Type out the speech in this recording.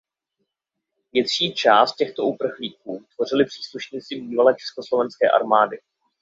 Větší část těchto uprchlíků tvořili příslušníci bývalé československé armády.